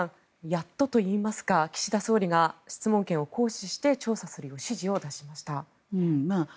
やっとといいますか岸田総理が質問権を行使して調査するよう指示を出しました。